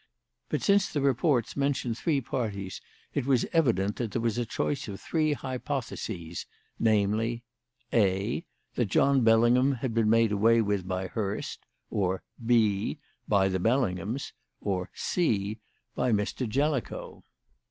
But, since the reports mentioned three parties, it was evident that there was a choice of three hypotheses, namely: "(a) That John Bellingham had been made away with by Hurst; or (b) by the Bellinghams; or (c) by Mr. Jellicoe.